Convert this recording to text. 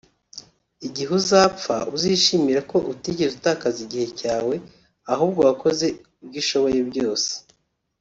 igihe uzapfa uzishimire ko utigeze utakaza igihe cyawe ahubwo wakoze ibyo ushoboye byose